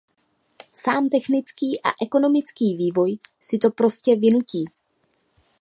Sám technický a ekonomický vývoj si to prostě vynutí.